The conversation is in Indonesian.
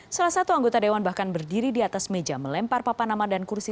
salah satu anggota dewan bahkan berdiri di atas meja melempar papan nama dan kursi